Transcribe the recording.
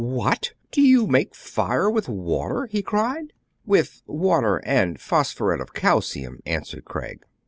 "What! do you make fire with water.?" he cried. "With water and phosphuret of calcium," an swered Craig.